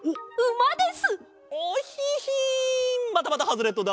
またまたハズレットだ。